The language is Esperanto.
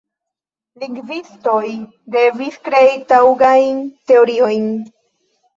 Lingvistoj devis krei taŭgajn teoriojn.